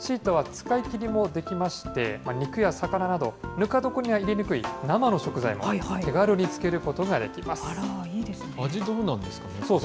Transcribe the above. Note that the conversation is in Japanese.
シートは使い切りもできまして、肉や魚など、ぬか床には入れにくい生の食材も手軽に漬けることがいいですね。